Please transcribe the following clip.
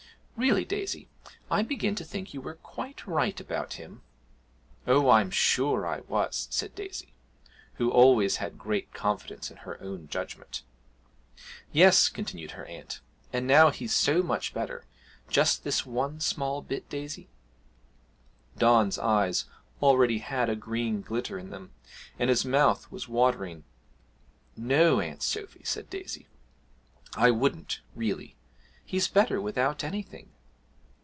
'Really, Daisy, I begin to think you were quite right about him.' 'Oh, I'm sure I was,' said Daisy, who always had great confidence in her own judgment. 'Yes,' continued her aunt, 'and, now he's so much better just this one small bit, Daisy?' Don's eyes already had a green glitter in them and his mouth was watering. 'No, Aunt Sophy,' said Daisy, 'I wouldn't really. He's better without anything.'